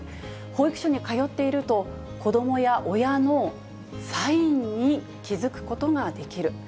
保育所に通っていると、子どもや親のサインに気付くことができる。